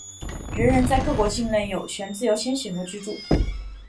人人在各国境内有权自由迁徙和居住。